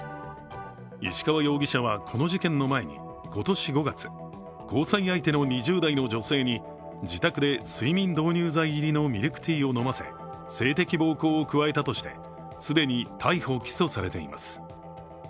石川容疑者はこの事件の前に今年５月交際相手の２０代の女性に自宅で睡眠導入剤入りのミルクティーを飲ませ、性的暴行を加えたとして既に逮捕・起訴されています。